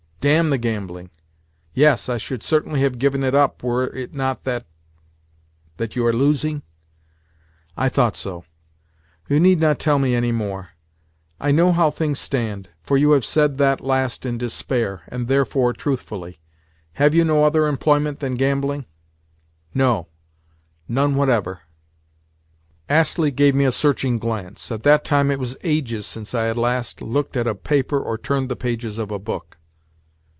"Damn the gambling! Yes, I should certainly have given it up, were it not that—" "That you are losing? I thought so. You need not tell me any more. I know how things stand, for you have said that last in despair, and therefore, truthfully. Have you no other employment than gambling?" "No; none whatever." Astley gave me a searching glance. At that time it was ages since I had last looked at a paper or turned the pages of a book.